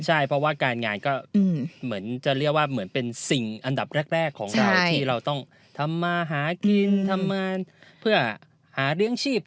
ใช่เพราะว่าการงานก็เหมือนจะเรียกว่าเหมือนเป็นสิ่งอันดับแรกของเราที่เราต้องทำมาหากินทำงานเพื่อหาเลี้ยงชีพ